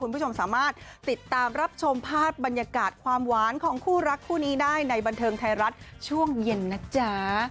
คุณผู้ชมสามารถติดตามรับชมภาพบรรยากาศความหวานของคู่รักคู่นี้ได้ในบันเทิงไทยรัฐช่วงเย็นนะจ๊ะ